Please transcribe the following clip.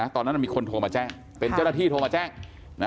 ตอนนั้นมีคนโทรมาแจ้งเป็นเจ้าหน้าที่โทรมาแจ้ง